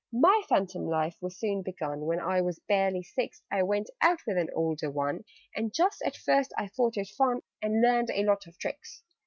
"My phantom life was soon begun: When I was barely six, I went out with an older one And just at first I thought it fun, And learned a lot of tricks.